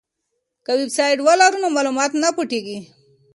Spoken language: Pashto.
که ویبسایټ ولرو نو معلومات نه پټیږي.